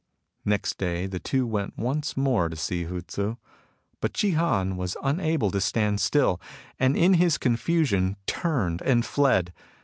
^ Next day the two went once more to see Hu Tzu ; but Chi Han was unable to stand still, and in his confusion turned and fled.